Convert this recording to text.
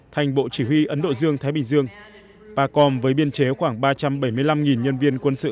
thành bộ chỉ huy ấn độ dương thái bình dương pacom với biên chế khoảng ba trăm bảy mươi năm nhân viên quân sự